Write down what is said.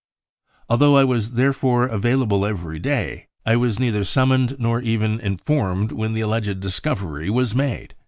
Although I was therefore available every day, I was neither summoned nor even informed when the alleged discovery was made.